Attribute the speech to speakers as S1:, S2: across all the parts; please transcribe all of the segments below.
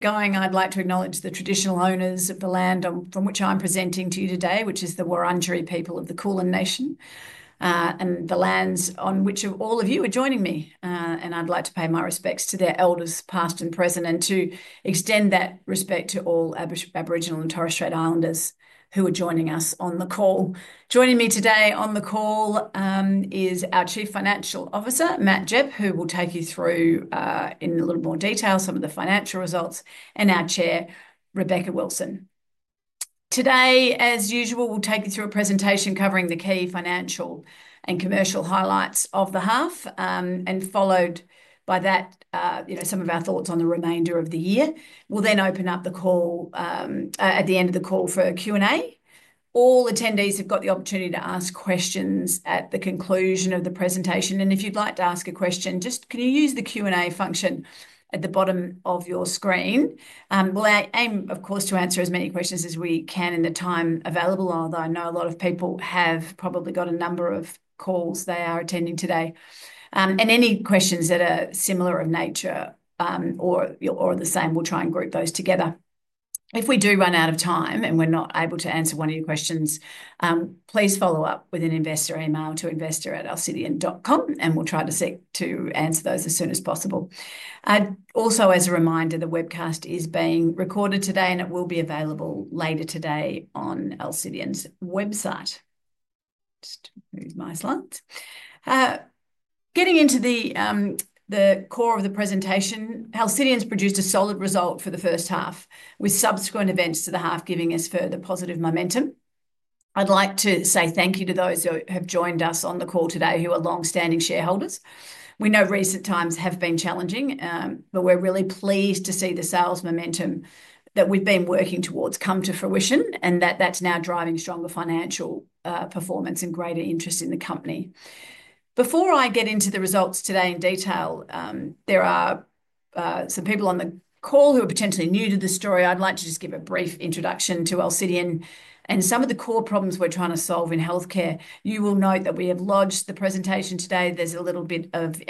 S1: Going, I'd like to acknowledge the traditional owners of the land from which I'm presenting to you today, which is the Wurundjeri people of the Kulin Nation, and the lands on which all of you are joining me. I'd like to pay my respects to their elders, past and present, and to extend that respect to all Aboriginal and Torres Strait Islanders who are joining us on the call. Joining me today on the call is our Chief Financial Officer, Matt Gepp, who will take you through, in a little more detail, some of the financial results, and our Chair, Rebecca Wilson. Today, as usual, we'll take you through a presentation covering the key financial and commercial highlights of the half, and followed by that, you know, some of our thoughts on the remainder of the year. We'll then open up the call at the end of the call for Q&A. All attendees have got the opportunity to ask questions at the conclusion of the presentation. If you'd like to ask a question, just can you use the Q&A function at the bottom of your screen? We'll aim, of course, to answer as many questions as we can in the time available, although I know a lot of people have probably got a number of calls they are attending today. Any questions that are similar of nature or the same, we'll try and group those together. If we do run out of time and we're not able to answer one of your questions, please follow up with an investor email to investor@alcidion.com, and we'll try to seek to answer those as soon as possible. Also, as a reminder, the webcast is being recorded today, and it will be available later today on Alcidion's website. Just move my slides. Getting into the core of the presentation, Alcidion's produced a solid result for the first half, with subsequent events to the half giving us further positive momentum. I'd like to say thank you to those who have joined us on the call today who are longstanding shareholders. We know recent times have been challenging, but we're really pleased to see the sales momentum that we've been working towards come to fruition, and that that's now driving stronger financial performance and greater interest in the company. Before I get into the results today in detail, there are some people on the call who are potentially new to the story. I'd like to just give a brief introduction to Alcidion and some of the core problems we're trying to solve in healthcare. You will note that we have lodged the presentation today. There's a little bit of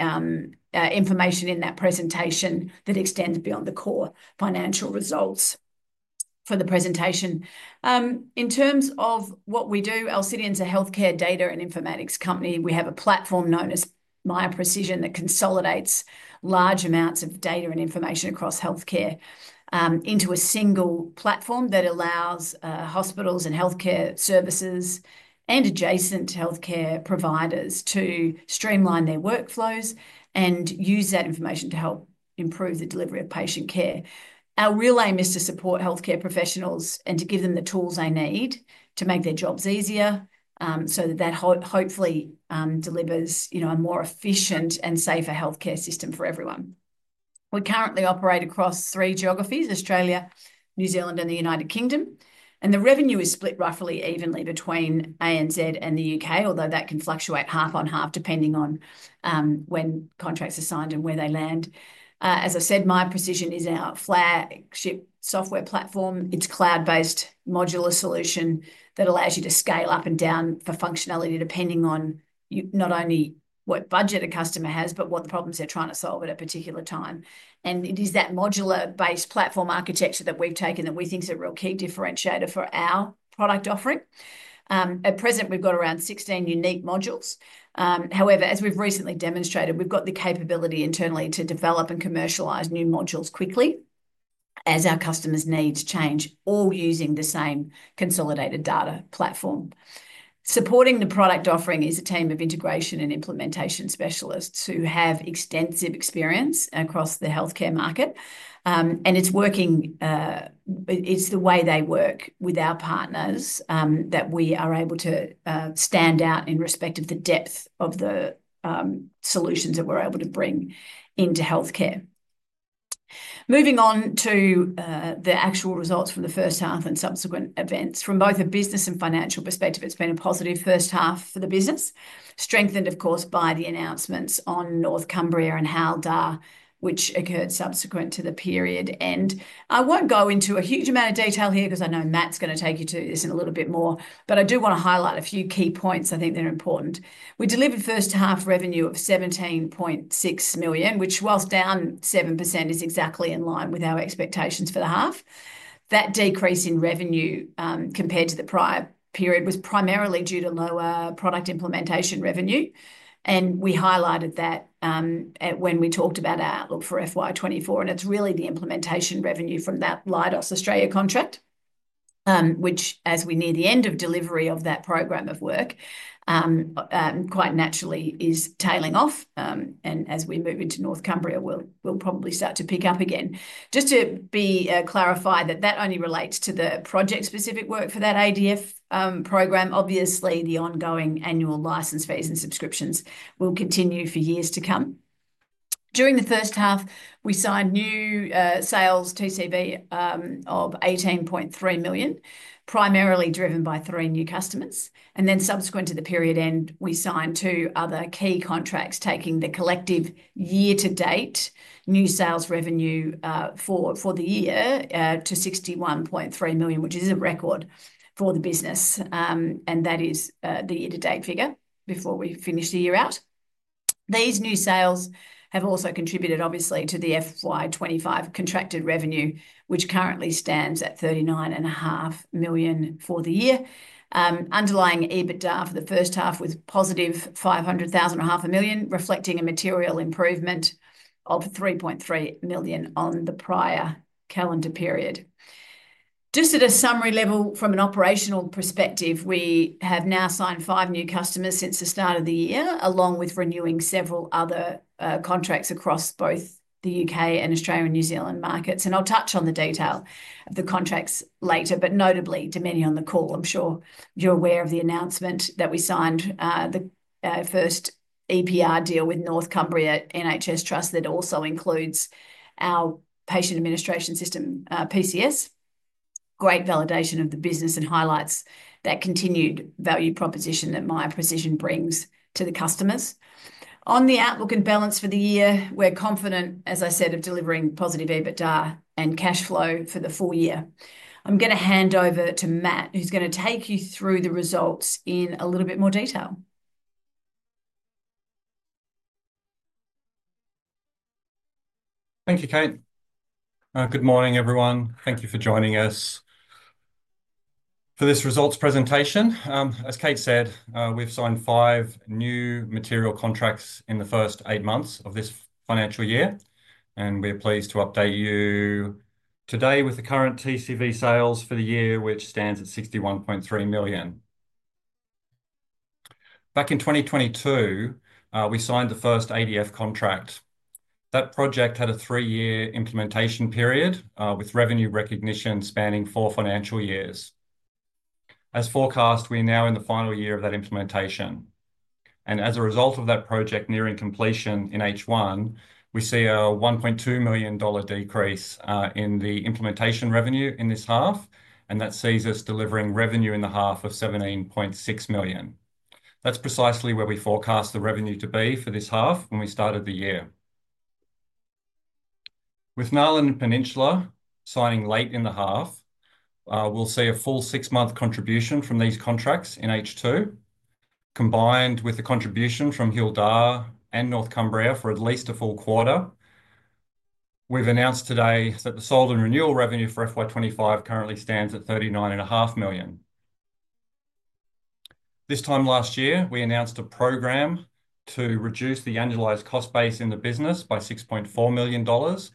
S1: information in that presentation that extends beyond the core financial results for the presentation. In terms of what we do, Alcidion's a healthcare data and informatics company. We have a platform known as Miya Precision that consolidates large amounts of data and information across healthcare into a single platform that allows hospitals and healthcare services and adjacent healthcare providers to streamline their workflows and use that information to help improve the delivery of patient care. Our real aim is to support healthcare professionals and to give them the tools they need to make their jobs easier so that that hopefully delivers a more efficient and safer healthcare system for everyone. We currently operate across three geographies: Australia, New Zealand, and the United Kingdom. The revenue is split roughly evenly between ANZ and the U.K., although that can fluctuate half on half depending on when contracts are signed and where they land. As I said, Miya Precision is our flagship software platform. It's a cloud-based modular solution that allows you to scale up and down for functionality depending on not only what budget a customer has, but what the problems they're trying to solve at a particular time. It is that modular-based platform architecture that we've taken that we think is a real key differentiator for our product offering. At present, we've got around 16 unique modules. However, as we've recently demonstrated, we've got the capability internally to develop and commercialize new modules quickly as our customers' needs change, all using the same consolidated data platform. Supporting the product offering is a team of integration and implementation specialists who have extensive experience across the healthcare market. It is working; it is the way they work with our partners that we are able to stand out in respect of the depth of the solutions that we are able to bring into healthcare. Moving on to the actual results from the first half and subsequent events. From both a business and financial perspective, it has been a positive first half for the business, strengthened, of course, by the announcements on North Cumbria and Hywel Dda, which occurred subsequent to the period. I will not go into a huge amount of detail here because I know Matt is going to take you to this in a little bit more, but I do want to highlight a few key points. I think they are important. We delivered first half revenue of 17.6 million, which, whilst down 7%, is exactly in line with our expectations for the half. That decrease in revenue compared to the prior period was primarily due to lower product implementation revenue. We highlighted that when we talked about our outlook for FY2024. It is really the implementation revenue from that Leidos Australia contract, which, as we near the end of delivery of that program of work, quite naturally is tailing off. As we move into North Cumbria, we will probably start to pick up again. Just to clarify, that only relates to the project-specific work for that ADF program. Obviously, the ongoing annual license fees and subscriptions will continue for years to come. During the first half, we signed new sales TCV of 18.3 million, primarily driven by three new customers. Subsequent to the period end, we signed two other key contracts, taking the collective year-to-date new sales revenue for the year to 61.3 million, which is a record for the business. That is the year-to-date figure before we finish the year out. These new sales have also contributed, obviously, to the FY25 contracted revenue, which currently stands at 39.5 million for the year. Underlying EBITDA for the first half was positive 500,000 and $500,000, reflecting a material improvement of 3.3 million on the prior calendar period. Just at a summary level, from an operational perspective, we have now signed five new customers since the start of the year, along with renewing several other contracts across both the U.K. and Australia and New Zealand markets. I'll touch on the detail of the contracts later, but notably to many on the call, I'm sure you're aware of the announcement that we signed the first EPR deal with North Cumbria NHS Trust that also includes our patient administration system, PCS. Great validation of the business and highlights that continued value proposition that Miya Precision brings to the customers. On the outlook and balance for the year, we're confident, as I said, of delivering positive EBITDA and cash flow for the full year. I'm going to hand over to Matt, who's going to take you through the results in a little bit more detail.
S2: Thank you, Kate. Good morning, everyone. Thank you for joining us for this results presentation. As Kate said, we've signed five new material contracts in the first eight months of this financial year. We're pleased to update you today with the current TCV sales for the year, which stands at 61.3 million. Back in 2022, we signed the first ADF contract. That project had a three-year implementation period with revenue recognition spanning four financial years. As forecast, we are now in the final year of that implementation. As a result of that project nearing completion in H1, we see an 1.2 million dollar decrease in the implementation revenue in this half, and that sees us delivering revenue in the half of 17.6 million. That's precisely where we forecast the revenue to be for this half when we started the year. With NALHN and Peninsula signing late in the half, we'll see a full six-month contribution from these contracts in H2, combined with the contribution from Hywel Dda and North Cumbria for at least a full quarter. We've announced today that the sold and renewal revenue for FY2025 currently stands at 39.5 million. This time last year, we announced a program to reduce the annualized cost base in the business by 6.4 million dollars.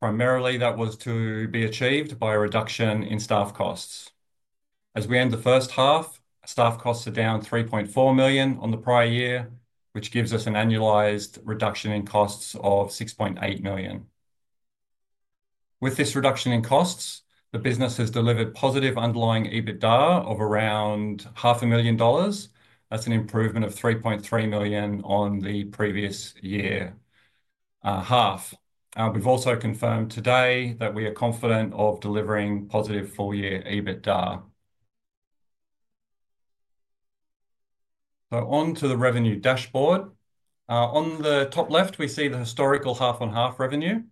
S2: Primarily, that was to be achieved by a reduction in staff costs. As we end the first half, staff costs are down 3.4 million on the prior year, which gives us an annualized reduction in costs of 6.8 million. With this reduction in costs, the business has delivered positive underlying EBITDA of around 500,000 dollars. That's an improvement of 3.3 million on the previous year half. We've also confirmed today that we are confident of delivering positive full-year EBITDA. On to the revenue dashboard. On the top left, we see the historical half-on-half revenue.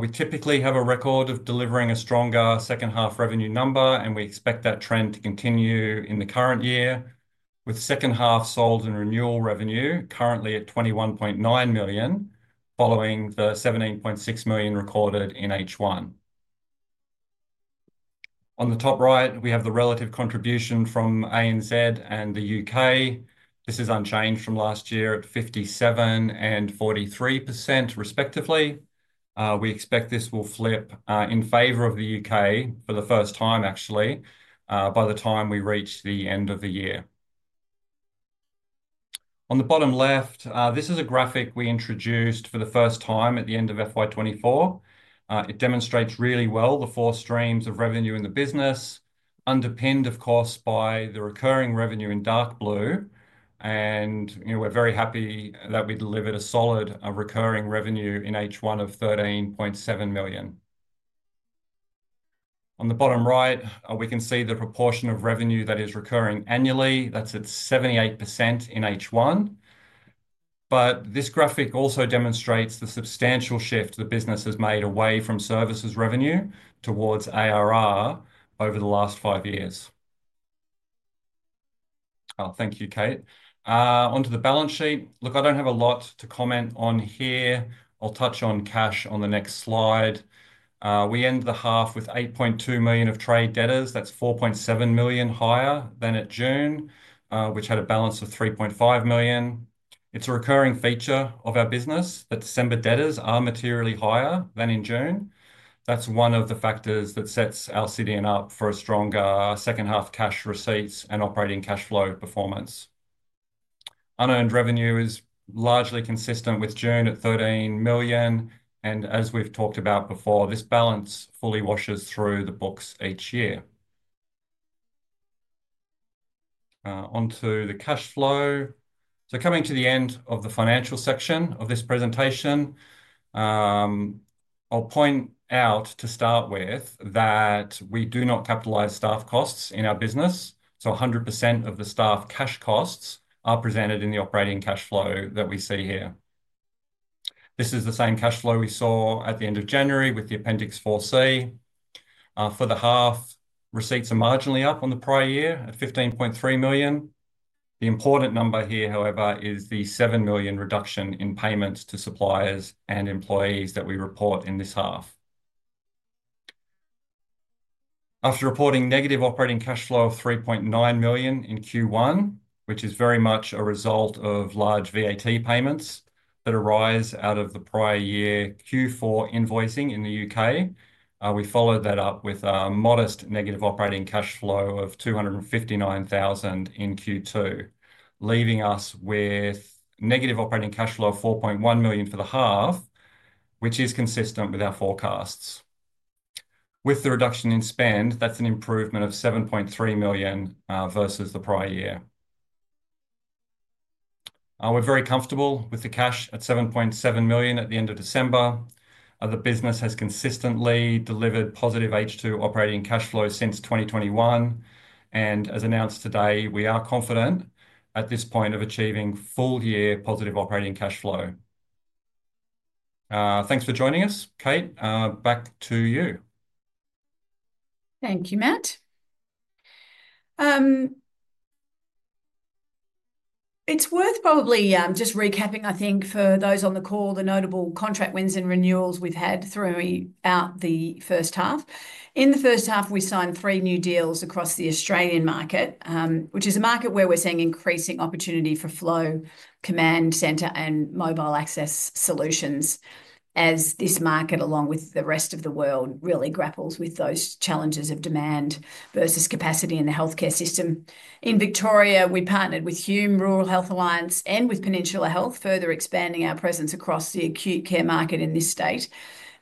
S2: We typically have a record of delivering a stronger second-half revenue number, and we expect that trend to continue in the current year, with second-half sold and renewal revenue currently at 21.9 million, following the 17.6 million recorded in H1. On the top right, we have the relative contribution from ANZ and the U.K. This is unchanged from last year at 57% and 43%, respectively. We expect this will flip in favor of the U.K. for the first time, actually, by the time we reach the end of the year. On the bottom left, this is a graphic we introduced for the first time at the end of FY2024. It demonstrates really well the four streams of revenue in the business, underpinned, of course, by the recurring revenue in dark blue. We're very happy that we delivered a solid recurring revenue in H1 of 13.7 million. On the bottom right, we can see the proportion of revenue that is recurring annually. That's at 78% in H1. This graphic also demonstrates the substantial shift the business has made away from services revenue towards ARR over the last five years. Thank you, Kate. Onto the balance sheet. Look, I don't have a lot to comment on here. I'll touch on cash on the next slide. We end the half with 8.2 million of trade debtors. That's 4.7 million higher than at June, which had a balance of 3.5 million. It's a recurring feature of our business that December debtors are materially higher than in June. That's one of the factors that sets Alcidion up for a stronger second-half cash receipts and operating cash flow performance. Unearned revenue is largely consistent with June at 13 million. As we've talked about before, this balance fully washes through the books each year. Onto the cash flow. Coming to the end of the financial section of this presentation, I'll point out to start with that we do not capitalize staff costs in our business. 100% of the staff cash costs are presented in the operating cash flow that we see here. This is the same cash flow we saw at the end of January with the Appendix 4C. For the half, receipts are marginally up on the prior year at 15.3 million. The important number here, however, is the 7 million reduction in payments to suppliers and employees that we report in this half. After reporting negative operating cash flow of 3.9 million in Q1, which is very much a result of large VAT payments that arise out of the prior year Q4 invoicing in the U.K., we followed that up with a modest negative operating cash flow of 259,000 in Q2, leaving us with negative operating cash flow of 4.1 million for the half, which is consistent with our forecasts. With the reduction in spend, that's an improvement of 7.3 million versus the prior year. We're very comfortable with the cash at 7.7 million at the end of December. The business has consistently delivered positive H2 operating cash flow since 2021. As announced today, we are confident at this point of achieving full-year positive operating cash flow. Thanks for joining us, Kate. Back to you.
S1: Thank you, Matt. It's worth probably just recapping, I think, for those on the call, the notable contract wins and renewals we've had throughout the first half. In the first half, we signed three new deals across the Australian market, which is a market where we're seeing increasing opportunity for flow command centre and mobile access solutions, as this market, along with the rest of the world, really grapples with those challenges of demand versus capacity in the healthcare system. In Victoria, we partnered with Hume Rural Health Alliance and with Peninsula Health, further expanding our presence across the acute care market in this state.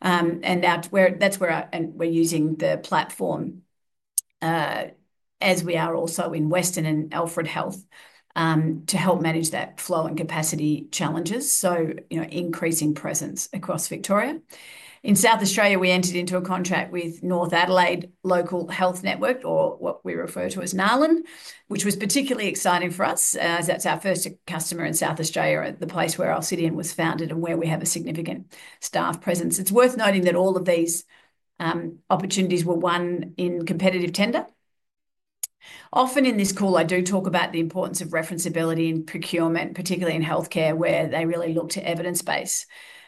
S1: That's where we're using the platform, as we are also in Western and Alfred Health, to help manage that flow and capacity challenges. You know, increasing presence across Victoria. In South Australia, we entered into a contract with North Adelaide Local Health Network, or what we refer to as Nylon, which was particularly exciting for us, as that's our first customer in South Australia, the place where Alcidion was founded and where we have a significant staff presence. It's worth noting that all of these opportunities were won in competitive tender. Often in this call, I do talk about the importance of referenceability in procurement, particularly in healthcare, where they really look to evidence base.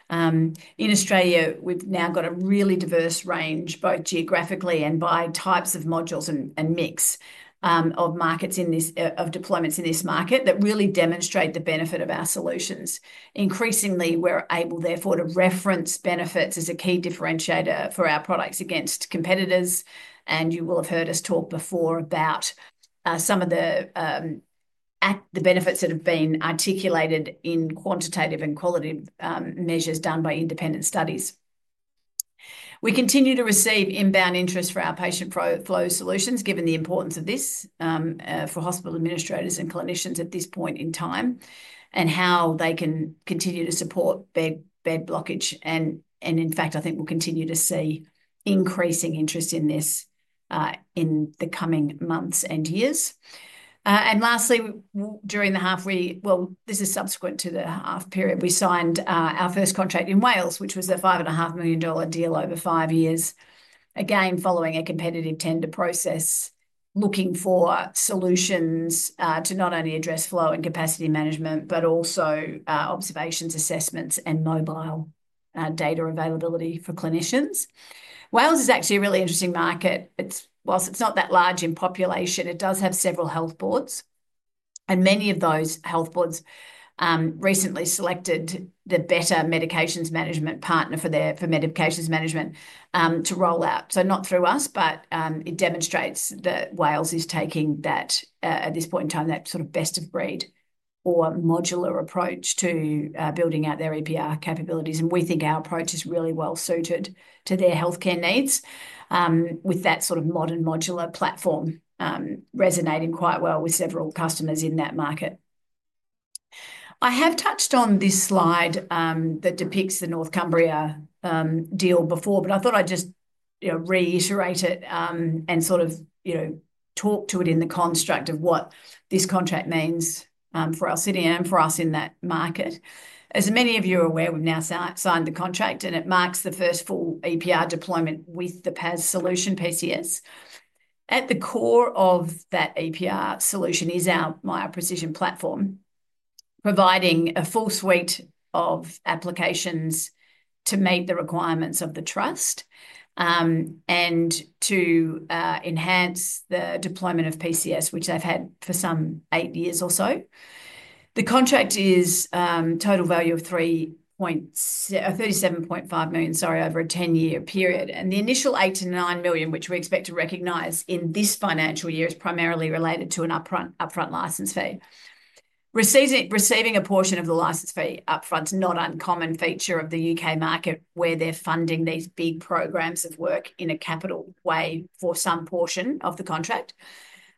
S1: In Australia, we've now got a really diverse range, both geographically and by types of modules and mix of markets in this of deployments in this market that really demonstrate the benefit of our solutions. Increasingly, we're able, therefore, to reference benefits as a key differentiator for our products against competitors. You will have heard us talk before about some of the benefits that have been articulated in quantitative and qualitative measures done by independent studies. We continue to receive inbound interest for our patient flow solutions, given the importance of this for hospital administrators and clinicians at this point in time, and how they can continue to support bed blockage. In fact, I think we'll continue to see increasing interest in this in the coming months and years. Lastly, during the half, this is subsequent to the half period, we signed our first contract in Wales, which was an 5.5 million dollar deal over five years, again following a competitive tender process, looking for solutions to not only address flow and capacity management, but also observations, assessments, and mobile data availability for clinicians. Wales is actually a really interesting market. Whilst it's not that large in population, it does have several health boards. Many of those health boards recently selected the Better Medications Management partner for their medications management to roll out. Not through us, but it demonstrates that Wales is taking that, at this point in time, that sort of best of breed or modular approach to building out their EPR capabilities. We think our approach is really well suited to their healthcare needs, with that sort of modern modular platform resonating quite well with several customers in that market. I have touched on this slide that depicts the North Cumbria deal before, but I thought I'd just reiterate it and sort of talk to it in the construct of what this contract means for Alcidion and for us in that market. As many of you are aware, we've now signed the contract, and it marks the first full EPR deployment with the PAS solution, PCS. At the core of that EPR solution is our Miya Precision platform, providing a full suite of applications to meet the requirements of the trust and to enhance the deployment of PCS, which they've had for some eight years or so. The contract is total value of 37.5 million, sorry, over a 10-year period. The initial 8 million-9 million, which we expect to recognize in this financial year, is primarily related to an upfront license fee. Receiving a portion of the license fee upfront is not an uncommon feature of the U.K. market, where they're funding these big programs of work in a capital way for some portion of the contract.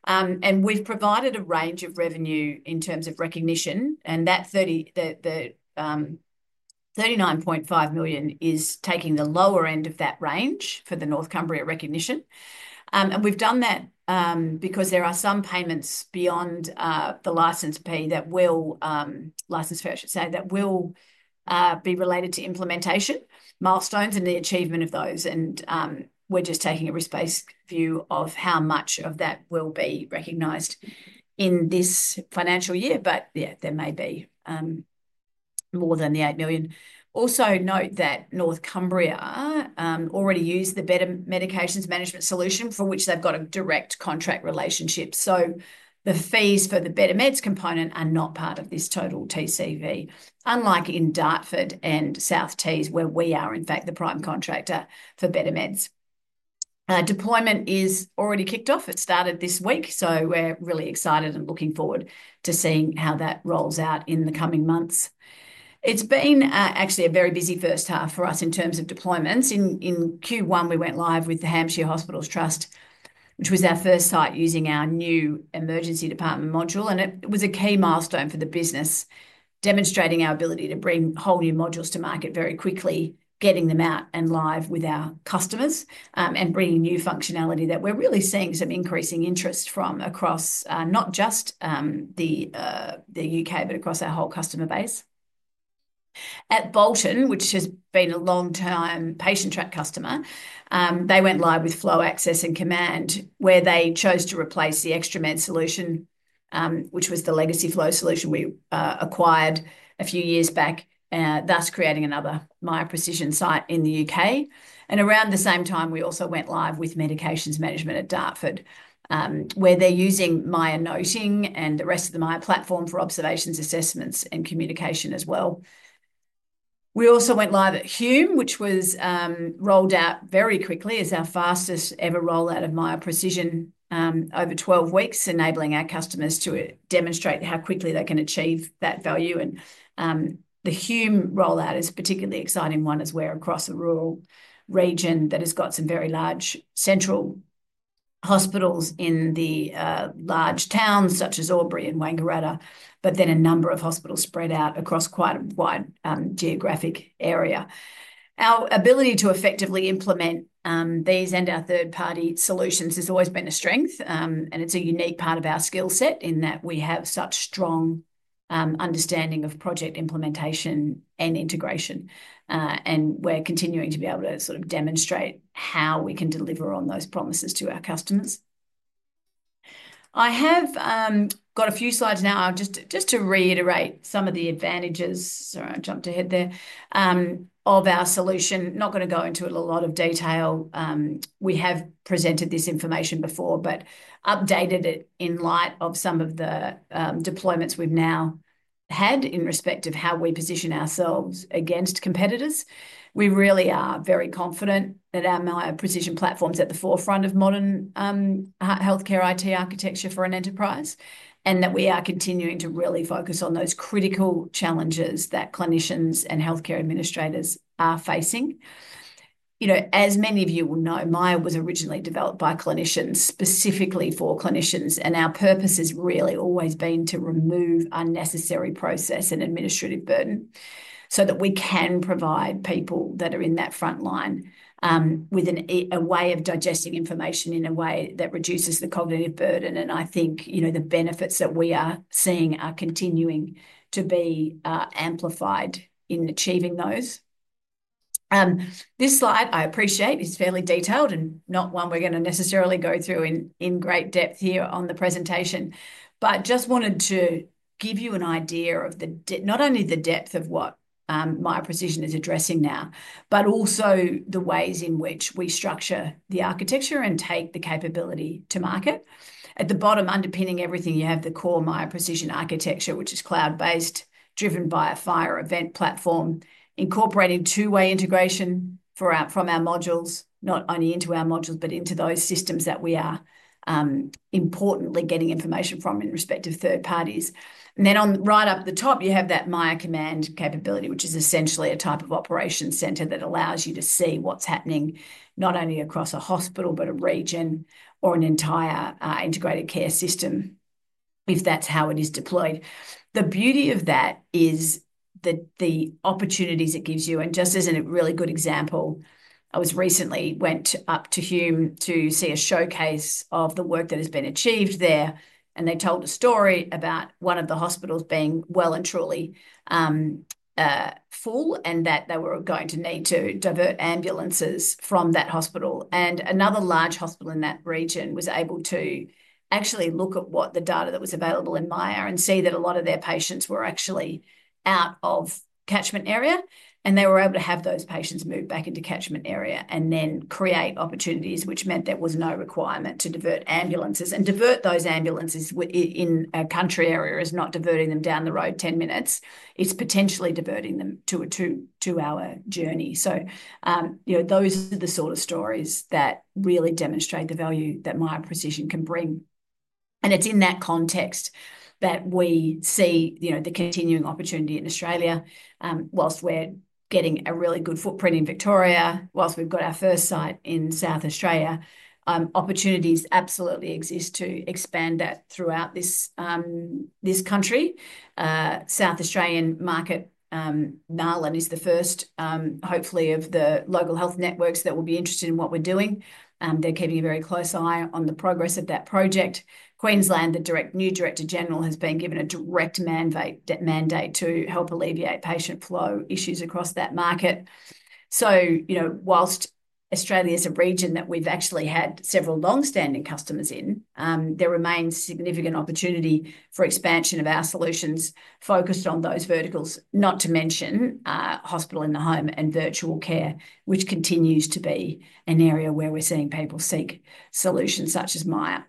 S1: We've provided a range of revenue in terms of recognition. That 39.5 million is taking the lower end of that range for the North Cumbria recognition. We have done that because there are some payments beyond the license fee that will, license fee, I should say, that will be related to implementation milestones and the achievement of those. We are just taking a risk-based view of how much of that will be recognized in this financial year. Yeah, there may be more than the 8 million. Also note that North Cumbria already used the Better Medications Management solution, for which they have a direct contract relationship. The fees for the Better Meds component are not part of this total TCV, unlike in Dartford and South Tees, where we are, in fact, the prime contractor for Better Meds. Deployment is already kicked off. It started this week. We're really excited and looking forward to seeing how that rolls out in the coming months. It's been actually a very busy first half for us in terms of deployments. In Q1, we went live with the Hampshire Hospitals NHS Foundation Trust, which was our first site using our new Emergency Department Module. It was a key milestone for the business, demonstrating our ability to bring whole new modules to market very quickly, getting them out and live with our customers and bringing new functionality that we're really seeing some increasing interest from across not just the U.K., but across our whole customer base. At Bolton, which has been a long-time Patientrack customer, they went live with Flow Access and Command, where they chose to replace the ExtraMed solution, which was the legacy flow solution we acquired a few years back, thus creating another Miya Precision site in the U.K. Around the same time, we also went live with Medications Management at Dartford, where they're using Miya Noting and the rest of the Miya platform for observations, assessments, and communication as well. We also went live at Hume, which was rolled out very quickly as our fastest ever rollout of Miya Precision over 12 weeks, enabling our customers to demonstrate how quickly they can achieve that value. The Hume rollout is a particularly exciting one as well across a rural region that has got some very large central hospitals in the large towns such as Albury and Wangaratta, but then a number of hospitals spread out across quite a wide geographic area. Our ability to effectively implement these and our third-party solutions has always been a strength. It is a unique part of our skill set in that we have such strong understanding of project implementation and integration. We are continuing to be able to sort of demonstrate how we can deliver on those promises to our customers. I have got a few slides now. Just to reiterate some of the advantages, sorry, I jumped ahead there of our solution. Not going to go into it a lot of detail. We have presented this information before, but updated it in light of some of the deployments we have now had in respect of how we position ourselves against competitors. We really are very confident that our Miya Precision platform is at the forefront of modern healthcare IT architecture for an enterprise and that we are continuing to really focus on those critical challenges that clinicians and healthcare administrators are facing. As many of you will know, Miya was originally developed by clinicians specifically for clinicians. Our purpose has really always been to remove unnecessary process and administrative burden so that we can provide people that are in that front line with a way of digesting information in a way that reduces the cognitive burden. I think the benefits that we are seeing are continuing to be amplified in achieving those. This slide, I appreciate, is fairly detailed and not one we're going to necessarily go through in great depth here on the presentation, but just wanted to give you an idea of not only the depth of what Miya Precision is addressing now, but also the ways in which we structure the architecture and take the capability to market. At the bottom, underpinning everything, you have the core Miya Precision architecture, which is cloud-based, driven by a FHIR event platform, incorporating two-way integration from our modules, not only into our modules, but into those systems that we are importantly getting information from in respect of third parties. Right up the top, you have that Miya Command capability, which is essentially a type of operation centre that allows you to see what's happening not only across a hospital, but a region or an entire integrated care system, if that's how it is deployed. The beauty of that is the opportunities it gives you. Just as a really good example, I recently went up to Hume to see a showcase of the work that has been achieved there. They told a story about one of the hospitals being well and truly full and that they were going to need to divert ambulances from that hospital. Another large hospital in that region was able to actually look at what the data that was available in Miya and see that a lot of their patients were actually out of catchment area. They were able to have those patients moved back into catchment area and then create opportunities, which meant there was no requirement to divert ambulances. Diverting those ambulances in a country area is not diverting them down the road 10 minutes. It is potentially diverting them to a two-hour journey. Those are the sort of stories that really demonstrate the value that Miya Precision can bring. It is in that context that we see the continuing opportunity in Australia. Whilst we're getting a really good footprint in Victoria, whilst we've got our first site in South Australia, opportunities absolutely exist to expand that throughout this country. South Australian market, Nylon is the first, hopefully, of the local health networks that will be interested in what we're doing. They're keeping a very close eye on the progress of that project. Queensland, the new Director General, has been given a direct mandate to help alleviate patient flow issues across that market. Australia is a region that we've actually had several long-standing customers in, there remains significant opportunity for expansion of our solutions focused on those verticals, not to mention hospital in the home and virtual care, which continues to be an area where we're seeing people seek solutions such as Miya.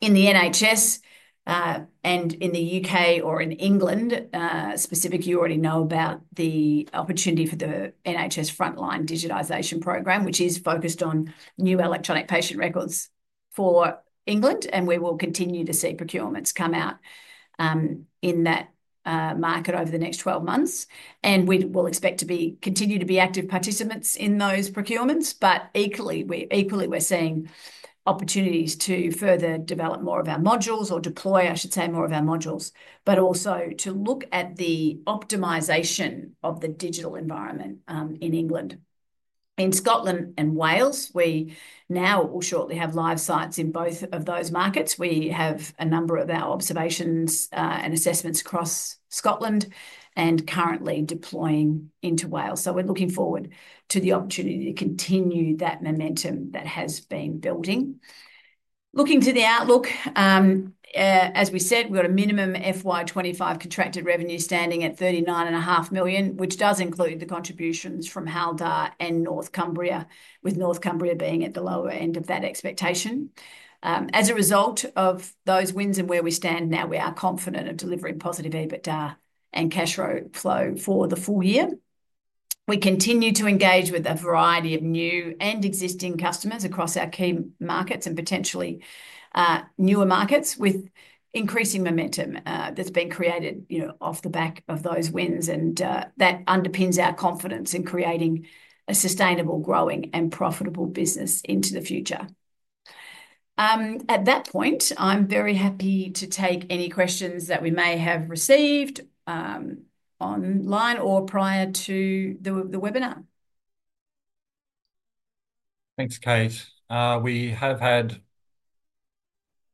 S1: In the NHS and in the U.K. or in England, specifically, you already know about the opportunity for the NHS frontline digitisation programme, which is focused on new electronic patient records for England. We will continue to see procurements come out in that market over the next 12 months. We will expect to continue to be active participants in those procurements. Equally, we're seeing opportunities to further develop more of our modules or deploy, I should say, more of our modules, but also to look at the optimisation of the digital environment in England. In Scotland and Wales, we now will shortly have live sites in both of those markets. We have a number of our observations and assessments across Scotland and currently deploying into Wales. We're looking forward to the opportunity to continue that momentum that has been building. Looking to the outlook, as we said, we've got a minimum FY2025 contracted revenue standing at 39.5 million, which does include the contributions from Hywel Dda and North Cumbria, with North Cumbria being at the lower end of that expectation. As a result of those wins and where we stand now, we are confident of delivering positive EBITDA and cash flow for the full year. We continue to engage with a variety of new and existing customers across our key markets and potentially newer markets with increasing momentum that's been created off the back of those wins. That underpins our confidence in creating a sustainable, growing, and profitable business into the future. At that point, I'm very happy to take any questions that we may have received online or prior to the webinar.
S2: Thanks, Kate. We have had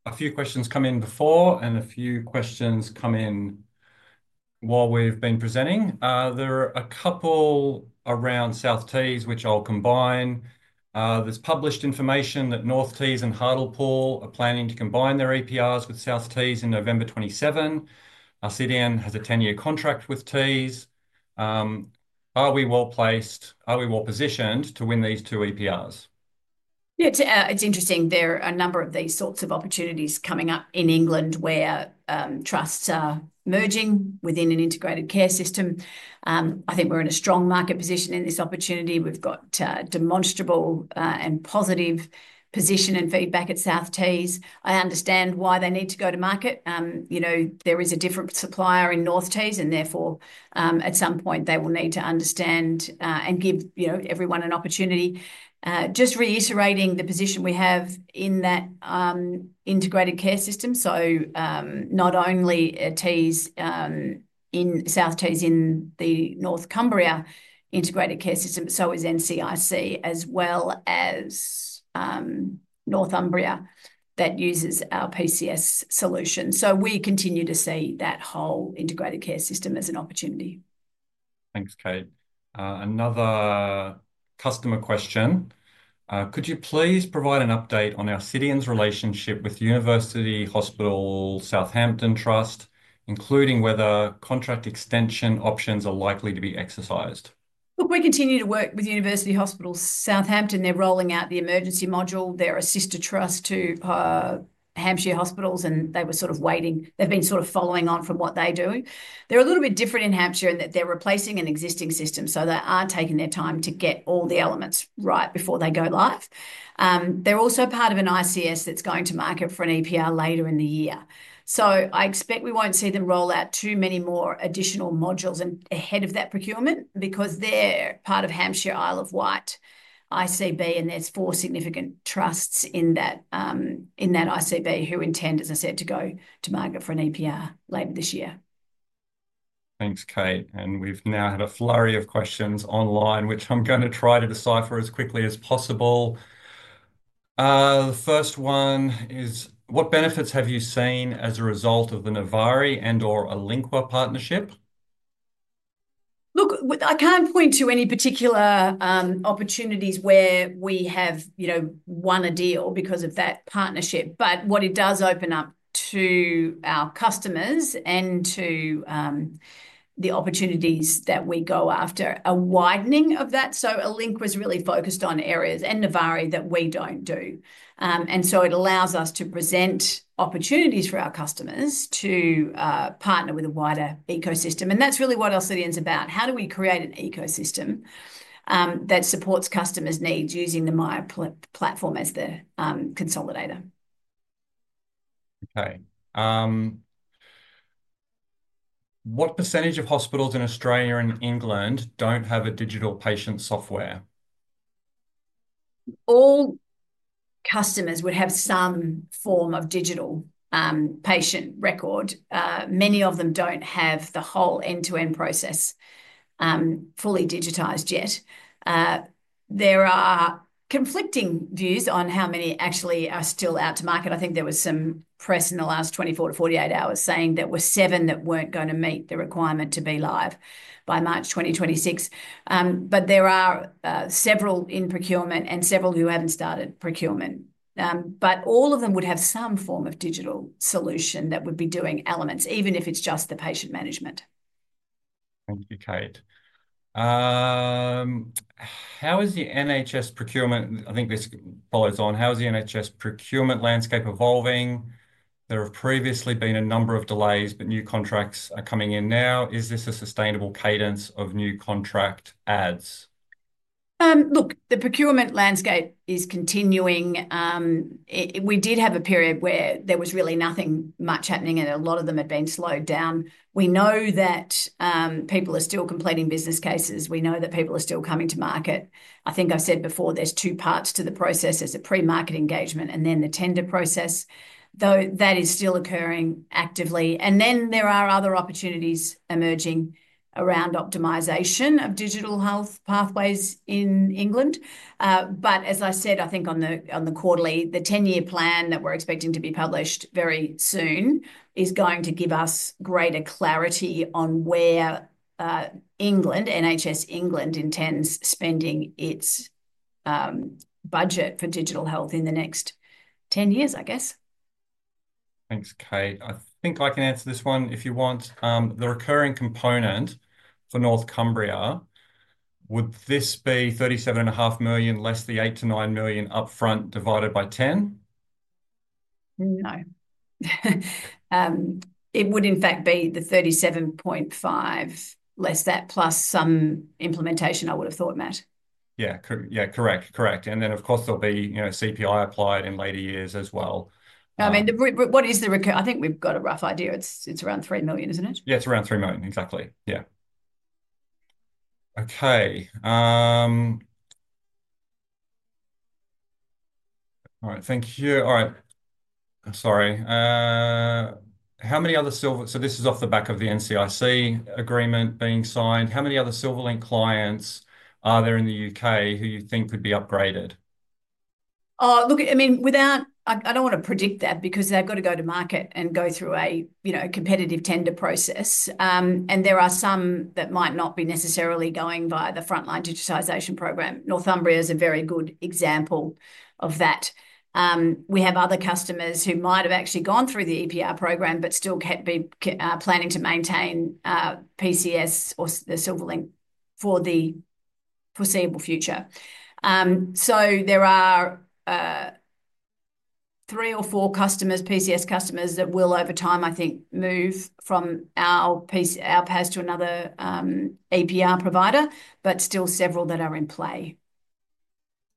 S2: a few questions come in before and a few questions come in while we've been presenting. There are a couple around South Tees, which I'll combine. There's published information that North Tees and Hartlepool are planning to combine their EPRs with South Tees in November 2027. Alcidion has a 10-year contract with Tees. Are we well placed? Are we well positioned to win these two EPRs?
S1: Yeah, it's interesting. There are a number of these sorts of opportunities coming up in England where trusts are merging within an integrated care system. I think we're in a strong market position in this opportunity. We've got demonstrable and positive position and feedback at South Tees. I understand why they need to go to market. There is a different supplier in North Tees, and therefore, at some point, they will need to understand and give everyone an opportunity. Just reiterating the position we have in that integrated care system. Not only South Tees in the North Cumbria Integrated Care System, so is NCIC, as well as Northumbria that uses our PCS solution. We continue to see that whole integrated care system as an opportunity.
S2: Thanks, Kate. Another customer question. Could you please provide an update on Alcidion's relationship with University Hospital Southampton NHS Foundation Trust, including whether contract extension options are likely to be exercised?
S1: Look, we continue to work with University Hospital Southampton. They're rolling out the emergency module. They're a sister trust to Hampshire Hospitals, and they were sort of waiting. They've been sort of following on from what they do. They're a little bit different in Hampshire in that they're replacing an existing system. They are taking their time to get all the elements right before they go live. They're also part of an ICS that's going to market for an EPR later in the year. I expect we won't see them roll out too many more additional modules ahead of that procurement because they're part of Hampshire Isle of Wight ICB, and there's four significant trusts in that ICB who intend, as I said, to go to market for an EPR later this year.
S2: Thanks, Kate. We've now had a flurry of questions online, which I'm going to try to decipher as quickly as possible. The first one is, what benefits have you seen as a result of the Novari and/or Olinqua partnership?
S1: Look, I can't point to any particular opportunities where we have won a deal because of that partnership. What it does open up to our customers and to the opportunities that we go after, a widening of that. Olinqua is really focused on areas and Novari that we don't do. It allows us to present opportunities for our customers to partner with a wider ecosystem. That's really what Alcidion's about. How do we create an ecosystem that supports customers' needs using the Miya platform as the consolidator?
S2: Okay. What percentage of hospitals in Australia and England don't have a digital patient software?
S1: All customers would have some form of digital patient record. Many of them don't have the whole end-to-end process fully digitized yet. There are conflicting views on how many actually are still out to market. I think there was some press in the last 24-48 hours saying there were seven that weren't going to meet the requirement to be live by March 2026. There are several in procurement and several who haven't started procurement. All of them would have some form of digital solution that would be doing elements, even if it's just the patient management.
S2: Thank you, Kate. How is the NHS procurement? I think this follows on. How is the NHS procurement landscape evolving? There have previously been a number of delays, but new contracts are coming in now. Is this a sustainable cadence of new contract adds?
S1: Look, the procurement landscape is continuing. We did have a period where there was really nothing much happening, and a lot of them had been slowed down. We know that people are still completing business cases. We know that people are still coming to market. I think I've said before, there's two parts to the process. There's a pre-market engagement and then the tender process, though that is still occurring actively. There are other opportunities emerging around optimisation of digital health pathways in England. As I said, I think on the quarterly, the 10-year plan that we're expecting to be published very soon is going to give us greater clarity on where NHS England intends spending its budget for digital health in the next 10 years, I guess.
S2: Thanks, Kate. I think I can answer this one if you want. The recurring component for North Cumbria, would this be 37.5 million less the 8-9 million upfront divided by 10?
S1: No. It would, in fact, be the 37.5 million less that plus some implementation I would have thought, Matt.
S2: Yeah, correct. Correct. Of course, there'll be CPI applied in later years as well.
S1: I mean, what is the recurring? I think we've got a rough idea. It's around 3 million, isn't it?
S2: Yeah, it's around 3 million. Exactly. Yeah. Okay. Thank you. All right. Sorry. How many other silver? So this is off the back of the NCIC agreement being signed. How many other Silverlink clients are there in the U.K. who you think could be upgraded?
S1: Look, I mean, I don't want to predict that because they've got to go to market and go through a competitive tender process. There are some that might not be necessarily going via the frontline digitisation programme. Northumbria is a very good example of that. We have other customers who might have actually gone through the EPR programme but still planning to maintain PCS or the Silverlink for the foreseeable future. There are three or four customers, PCS customers, that will, over time, I think, move from our PAS to another EPR provider, but still several that are in play.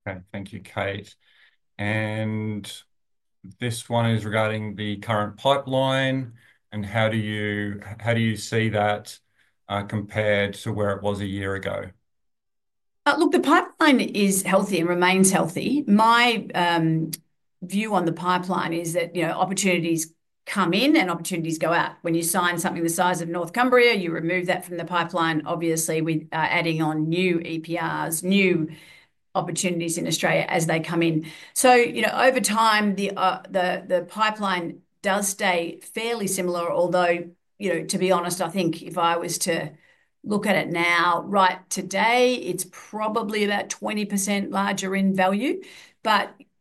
S1: Okay.
S2: Thank you, Kate. This one is regarding the current pipeline. How do you see that compared to where it was a year ago?
S1: Look, the pipeline is healthy and remains healthy. My view on the pipeline is that opportunities come in and opportunities go out. When you sign something the size of North Cumbria, you remove that from the pipeline, obviously, with adding on new EPRs, new opportunities in Australia as they come in. Over time, the pipeline does stay fairly similar, although, to be honest, I think if I was to look at it now, right today, it's probably about 20% larger in value.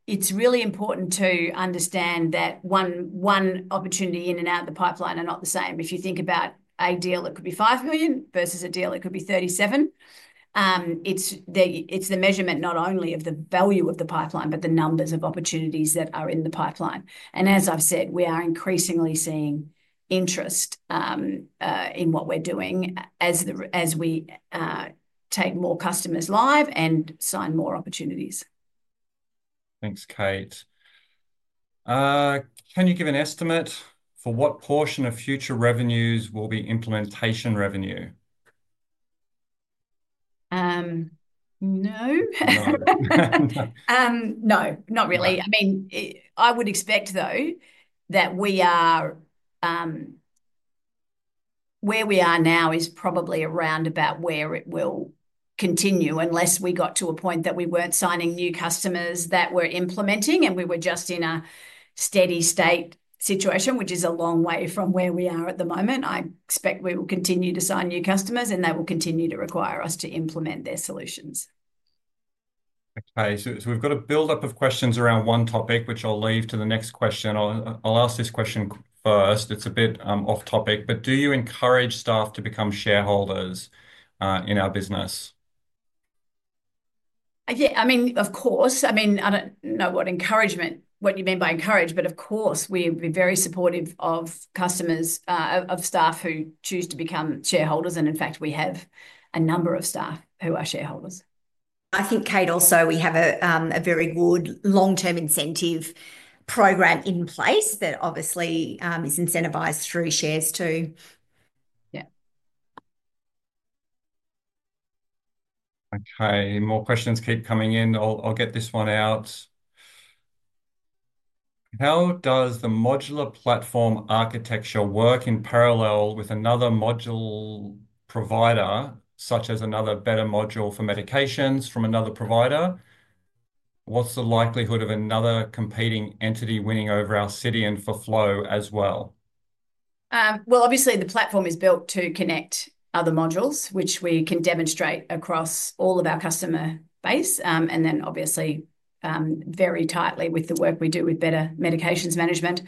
S1: It's really important to understand that one opportunity in and out of the pipeline are not the same. If you think about a deal, it could be 5 million versus a deal that could be 37. It's the measurement not only of the value of the pipeline, but the numbers of opportunities that are in the pipeline. As I've said, we are increasingly seeing interest in what we're doing as we take more customers live and sign more opportunities.
S2: Thanks, Kate. Can you give an estimate for what portion of future revenues will be implementation revenue?
S1: No. No, not really. I mean, I would expect, though, that where we are now is probably around about where it will continue unless we got to a point that we weren't signing new customers that were implementing and we were just in a steady-state situation, which is a long way from where we are at the moment. I expect we will continue to sign new customers, and they will continue to require us to implement their solutions.
S2: Okay. We've got a build-up of questions around one topic, which I'll leave to the next question. I'll ask this question first. It's a bit off-topic. Do you encourage staff to become shareholders in our business?
S1: Yeah. I mean, of course. I mean, I don't know what you mean by encourage, but of course, we're very supportive of customers, of staff who choose to become shareholders. In fact, we have a number of staff who are shareholders.
S3: I think, Kate, also, we have a very good long-term incentive program in place that obviously is incentivized through shares too. Yeah.
S2: Okay. More questions keep coming in. I'll get this one out. How does the modular platform architecture work in parallel with another module provider, such as another better module for medications from another provider? What's the likelihood of another competing entity winning over Alcidion for flow as well?
S1: Obviously, the platform is built to connect other modules, which we can demonstrate across all of our customer base, and then, obviously, very tightly with the work we do with Better Medications Management.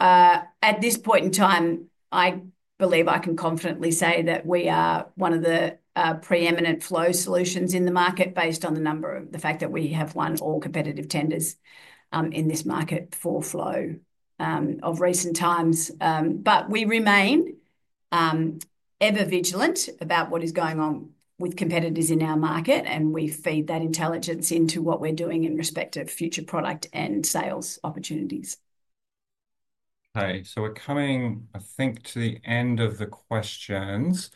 S1: At this point in time, I believe I can confidently say that we are one of the preeminent flow solutions in the market based on the fact that we have won all competitive tenders in this market for flow of recent times. We remain ever vigilant about what is going on with competitors in our market, and we feed that intelligence into what we're doing in respect of future product and sales opportunities.
S2: Okay. We're coming, I think, to the end of the questions.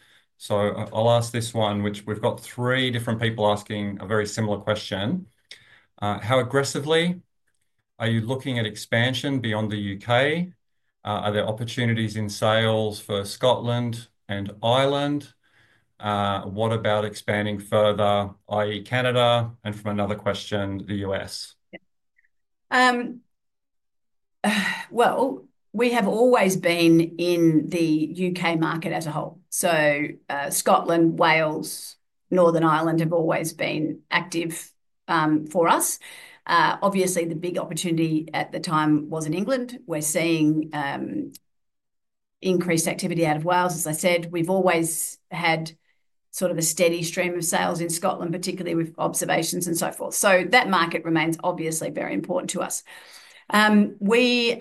S2: I'll ask this one, which we've got three different people asking a very similar question. How aggressively are you looking at expansion beyond the U.K.? Are there opportunities in sales for Scotland and Ireland? What about expanding further, i.e., Canada? From another question, the U.S.
S1: We have always been in the U.K. market as a whole. Scotland, Wales, Northern Ireland have always been active for us. Obviously, the big opportunity at the time was in England. We're seeing increased activity out of Wales. As I said, we've always had sort of a steady stream of sales in Scotland, particularly with observations and so forth. That market remains obviously very important to us. We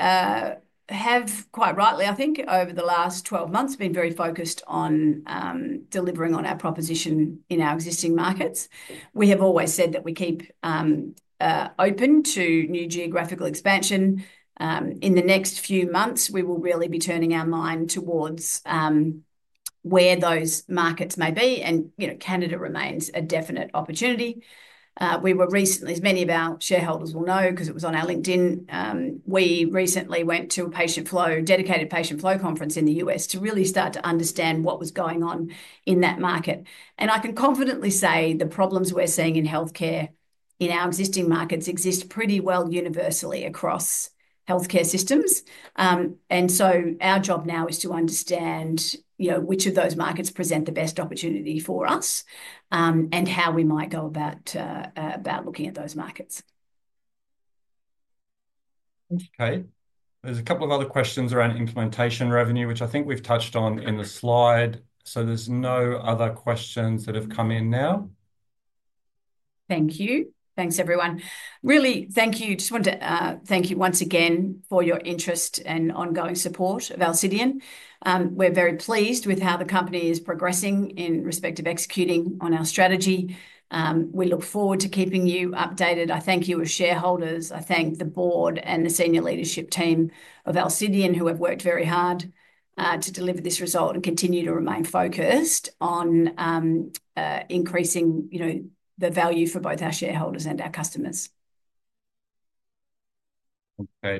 S1: have, quite rightly, I think, over the last 12 months, been very focused on delivering on our proposition in our existing markets. We have always said that we keep open to new geographical expansion. In the next few months, we will really be turning our mind towards where those markets may be. Canada remains a definite opportunity. We were recently, as many of our shareholders will know because it was on our LinkedIn, we recently went to a dedicated patient flow conference in the U.S. to really start to understand what was going on in that market. I can confidently say the problems we're seeing in healthcare in our existing markets exist pretty well universally across healthcare systems. Our job now is to understand which of those markets present the best opportunity for us and how we might go about looking at those markets.
S2: Thank you, Kate. There's a couple of other questions around implementation revenue, which I think we've touched on in the slide. There are no other questions that have come in now.
S1: Thank you. Thanks, everyone. Really, thank you. Just want to thank you once again for your interest and ongoing support of Alcidion. We're very pleased with how the company is progressing in respect of executing on our strategy. We look forward to keeping you updated. I thank you as shareholders. I thank the board and the senior leadership team of Alcidion who have worked very hard to deliver this result and continue to remain focused on increasing the value for both our shareholders and our customers.
S2: Okay.